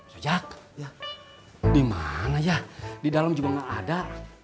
sojak dimana ya di dalam juga gak ada